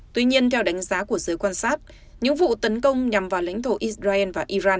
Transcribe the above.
tuy nhiên theo đánh giá của giới quan sát những vụ tấn công nhằm vào lãnh thổ israel và iran